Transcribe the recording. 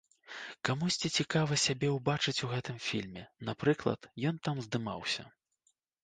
Камусьці цікава сябе ўбачыць у гэтым фільме, напрыклад, ён там здымаўся.